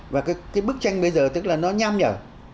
và cái bức tranh bây giờ tức là nó nham nhở